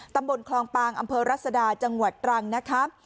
ตำบลคลองปางอำเภอรัศดาจังหวัดตรังนะคะ